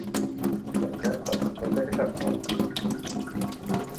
Ich denke, das entspricht der Geschäftsordnung..